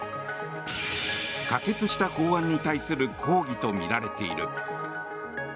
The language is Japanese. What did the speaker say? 可決した法案に対する抗議とみられている。